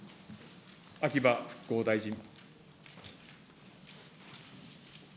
秋葉復興大臣。